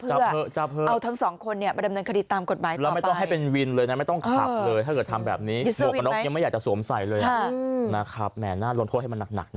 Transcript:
เอาทั้งสองคนเนี่ยมาดำเนินคดีตามกฎหมายต่อไป